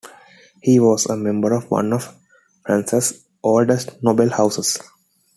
He was a member of one of France's oldest noble houses.